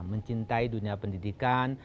mencintai dunia pendidikan